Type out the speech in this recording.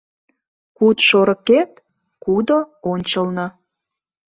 Куд шорыкет - кудо ончылно